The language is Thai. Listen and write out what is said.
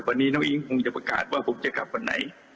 วันนี้น้องอิ๊งคงจะประกาศว่าผมจะกลับวันไหน